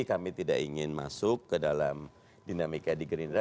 kami tidak ingin masuk ke dalam dinamika di gerindra